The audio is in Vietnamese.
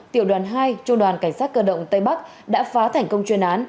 tiểu đoàn hai trung đoàn cảnh sát cơ động tây bắc đã phá thành công chuyên án